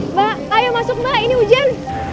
mbak ayo masuk mbak ini hujan